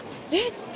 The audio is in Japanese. って。